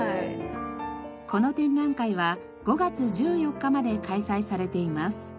この展覧会は５月１４日まで開催されています。